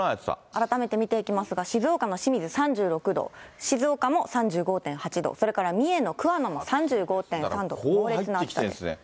改めて見ていきますが、静岡の清水３６度、静岡も３５．８度、それから三重の桑名も３５．３度、猛烈な暑さです。